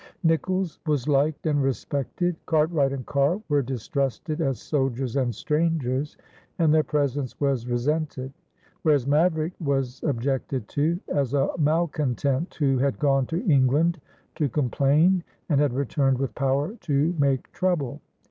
Nicolls was liked and respected; Cartwright and Carr were distrusted as soldiers and strangers, and their presence was resented; whereas Maverick was objected to as a malcontent who had gone to England to complain and had returned with power to make trouble.